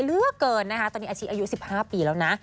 เหลือเกินนะคะตอนนี้อาชีพอายุ๑๕ปีแล้วนะ